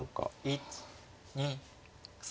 １２３。